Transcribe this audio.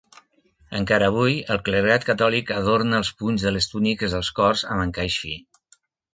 Encara avui, el clergat catòlic adorna els punys de les túniques dels cors amb encaix fi.